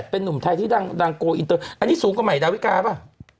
เป็นนุ่มไทยที่ดังโกอินเตอร์อันนี้สูงกว่าใหม่ดาวิกาป่ะ